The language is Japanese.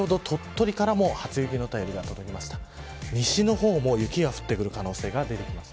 先ほど鳥取からも初雪の便りが届きました。